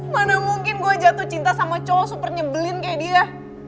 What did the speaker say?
mana mungkin gue jatuh cinta sama cowok super nyebelin kayak dia